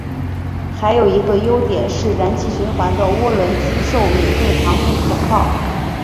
还有一个优点是燃气循环的涡轮机寿命更长更可靠。